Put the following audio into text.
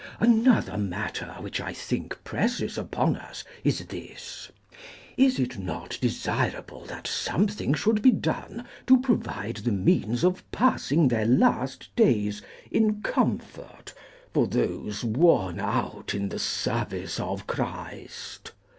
Another matter which I think presses upon us is this. Is it not desirable something should be done to provide the means of passing their last days in comfort, for those worn out in the service of Christ?